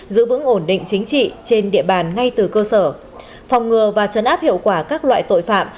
giữ vững ổn định chính trị trên địa bàn ngay từ cơ sở phòng ngừa và chấn áp hiệu quả các loại tội phạm